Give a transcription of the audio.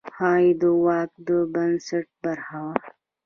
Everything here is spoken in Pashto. هغوی د واک د بنسټ برخه وه.